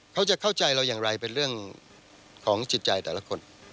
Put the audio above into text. เขาจะเข้าใจเราอย่างไรเป็นเรื่องของจิตใจแต่ละคน